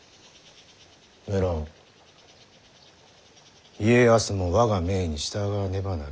無論家康も我が命に従わねばならん。